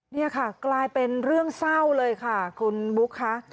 นี่ค่ะกลายเป็นเรื่องเศร้าเลยค่ะคุณบุ๊คค่ะ